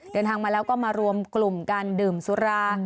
เดินทางมาแล้วก็มารวมกลุ่มการดื่มสุรา